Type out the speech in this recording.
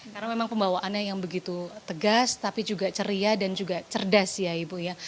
karena memang pembawaannya yang begitu tegas tapi juga ceria dan juga cerdas ya ibu ya